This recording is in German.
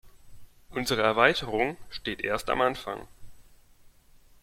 Unsere Erweiterung steht erst am Anfang.